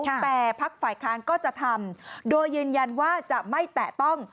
แต่พักฝ่ายค้านก็จะทำโดยยืนยันว่าจะไม่แตะต้อง